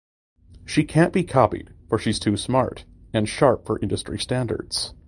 She can’t be copied for she’s too smart and sharp for industry standards.